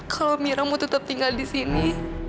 kalau mira mau tetap tinggal di sini